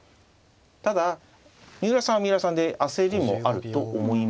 ただ三浦さんは三浦さんで焦りもあると思います。